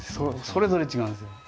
それぞれ違うんですよ。